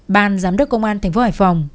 ban giám đốc công an thành phố hải phòng